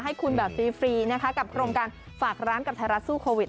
ให้คุณฟรีกับโครงการฝากร้านกับไทรัตสู้โควิด